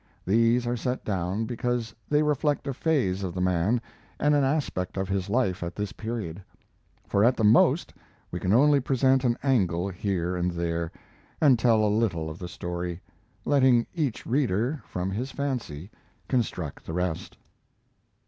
These are set down because they reflect a phase of the man and an aspect of his life at this period. For at the most we can only present an angle here and there, and tell a little of the story, letting each reader from his fancy construct the rest.